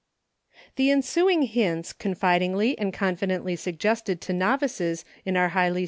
The ensuing hints, confidingly and confi dently suggested to novices in our highly (105) 106 EUCHRE.